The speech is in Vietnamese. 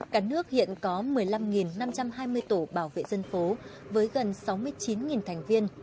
cả nước hiện có một mươi năm năm trăm hai mươi tổ bảo vệ dân phố với gần sáu mươi chín thành viên